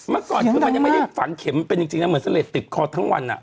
เมื่อก่อนคือมันยังไม่ได้ฝังเข็มเป็นจริงนะเหมือนเสล็ดติดคอทั้งวัน